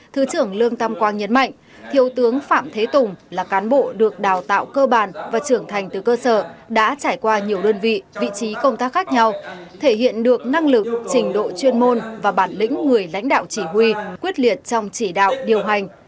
thứ trưởng lương tam quang nhấn mạnh thiếu tướng phạm thế tùng là cán bộ được đào tạo cơ bản và trưởng thành từ cơ sở đã trải qua nhiều đơn vị vị trí công tác khác nhau thể hiện được năng lực trình độ chuyên môn và bản lĩnh người lãnh đạo chỉ huy quyết liệt trong chỉ đạo điều hành